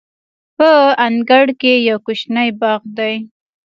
په انګړ کې یو کوچنی باغ دی.